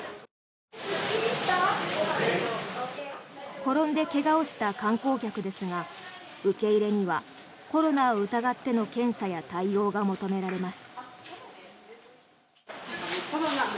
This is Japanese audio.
転んで怪我をした観光客ですが受け入れにはコロナを疑っての検査や対応が求められます。